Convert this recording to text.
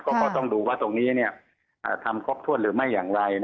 ก็ต้องดูว่าตรงนี้ทำครบถ้วนหรือไม่อย่างไร